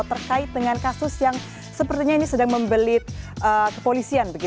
terkait dengan kasus yang sepertinya ini sedang membelit kepolisian